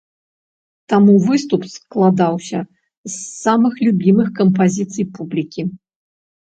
Таму выступ складаўся з самых любімых кампазіцый публікі.